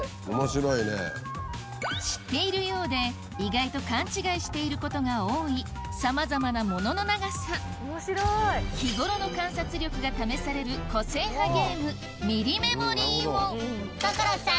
知っているようで意外と勘違いしていることが多いさまざまなモノの長さ日ごろの観察力が試される個性派ゲームミリメモリーを所さん